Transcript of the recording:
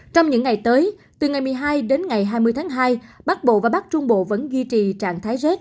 trong những ngày tới từ ngày một mươi hai đến ngày hai mươi tháng hai bắc bộ và bắc trung bộ vẫn duy trì trạng thái rét